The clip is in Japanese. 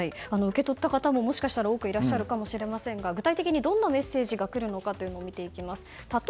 受け取った方も、もしかしたら多くいるかもしれませんが具体的にどんなメッセージが来るのか見ていきます。